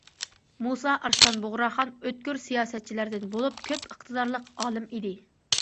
مۇسا ئارسلان بۇغراخان ئۆتكۈر سىياسەتچىلەردىن بولۇپ ، كۆپ ئىقتىدارلىق ئالىم ئىدى.